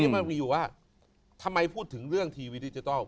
มันมีอยู่ว่าทำไมพูดถึงเรื่องทีวีดิจิทัล